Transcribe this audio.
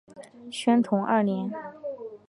宣统二年。